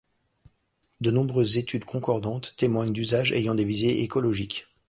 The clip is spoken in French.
De nombreuses études, concordantes, témoignent d'usages ayant des visées écologiques.